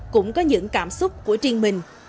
cũng có những cảm xúc của riêng mình